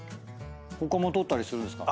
他も撮ったりするんですか？